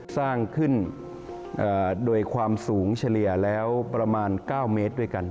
สร้างขึ้นโดยความสูงเฉลี่ยแล้วประมาณ๙เมตรด้วยกัน